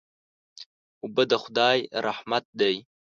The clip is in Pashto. اوبه د خدای رحمت دی.